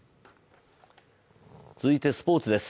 続いてスポーツです。